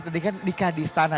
tadi kan nikah di istana